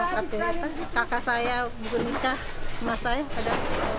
kakak saya buku nikah emas saya